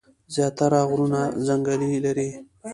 زيات تره غرونه ځنګلې لري ـ